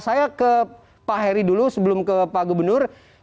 saya ke pak heri dulu sebelum ke pak gubernur